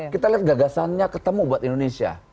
kita lihat gagasannya ketemu buat indonesia